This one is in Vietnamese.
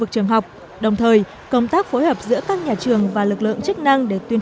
trường học đồng thời công tác phối hợp giữa các nhà trường và lực lượng chức năng để tuyên